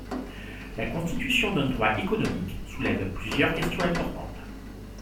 La constitution d'un droit économique soulève plusieurs questions importantes.